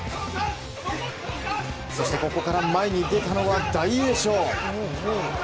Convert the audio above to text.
そしてここから前に出たのは大栄翔。